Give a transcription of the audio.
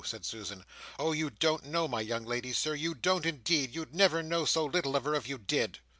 said Susan. "Oh! you don't know my young lady Sir you don't indeed, you'd never know so little of her, if you did."